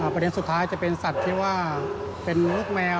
ประเด็นสุดท้ายจะเป็นสัตว์ที่ว่าเป็นลูกแมว